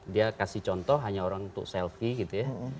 dia kasih contoh hanya orang untuk selfie gitu ya